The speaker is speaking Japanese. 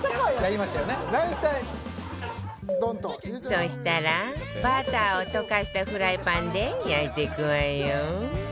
そしたらバターを溶かしたフライパンで焼いていくわよ